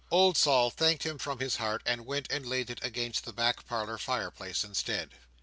Old Sol thanked him from his heart, and went and laid it against the back parlour fire place instead.